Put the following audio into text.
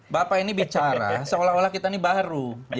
bapak ini bicara seolah olah kita ini baru